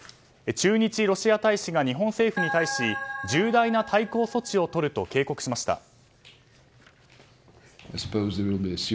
駐日ロシア大使が日本政府に対し重大な対抗措置をとると警告しました。